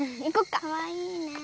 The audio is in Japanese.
かわいいねぇ。